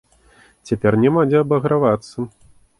Цяпер няма дзе абагравацца.